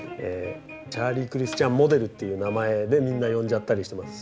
チャーリー・クリスチャン・モデルという名前でみんな呼んじゃったりしてます。